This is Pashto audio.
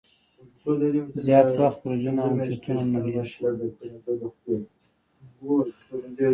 زیات وخت برجونه او چتونه نړیږي.